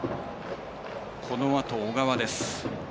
このあと小川です。